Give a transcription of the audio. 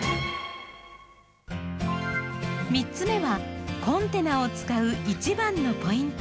３つ目はコンテナを使う一番のポイント